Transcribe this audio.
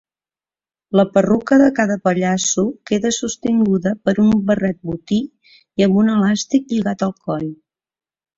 La perruca de cada pallasso queda sostinguda per un barret botí i amb un elàstic lligat al coll.